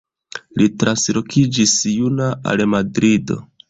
Li translokiĝis juna al Madrido.